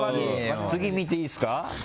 次見ていいですか？